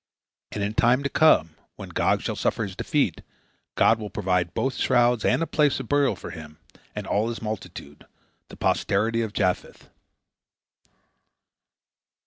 And in time to come, when Gog shall suffer his defeat, God will provide both shrouds and a place of burial for him and all his multitude, the posterity of Japheth.